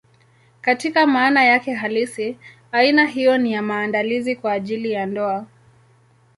Katika maana yake halisi, aina hiyo ni ya maandalizi kwa ajili ya ndoa.